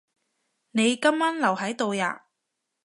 你今晚留喺度呀？